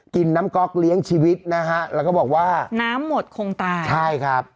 กินน้ำก๊อกเลี้ยงชีวิตนะฮะแล้วก็บอกว่าน้ำหมดคงตายใช่ครับ